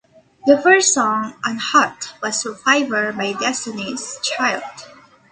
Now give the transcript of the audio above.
The first song on "Hot" was "Survivor" by Destiny's Child.